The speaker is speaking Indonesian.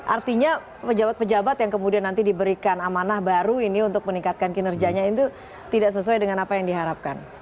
artinya pejabat pejabat yang kemudian nanti diberikan amanah baru ini untuk meningkatkan kinerjanya itu tidak sesuai dengan apa yang diharapkan